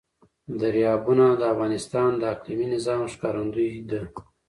دریابونه د افغانستان د اقلیمي نظام ښکارندوی ده.